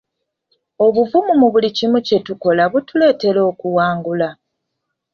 Obuvumu mu buli kimu kye tukola bwe butuleetera okuwangula.